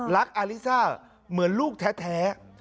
อาลิซ่าเหมือนลูกแท้